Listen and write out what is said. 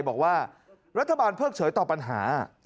บอกว่ารัฐบาลเพิ่งเฉยต่อปัญหา